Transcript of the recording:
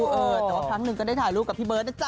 เออแต่ว่าครั้งหนึ่งก็ได้ถ่ายรูปกับพี่เบิร์ตนะจ๊